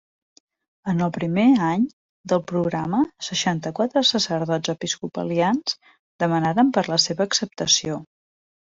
En el primer any del programa seixanta-quatre sacerdots episcopalians demanaren per a la seva acceptació.